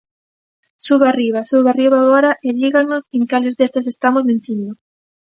Suba arriba, suba arriba agora e díganos en cales destas estamos mentindo.